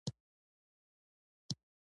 ځینو عسکرو بد کتل او ځینو ریشخند وهلو